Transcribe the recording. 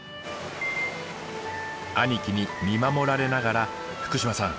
兄貴に見守られながら福島さん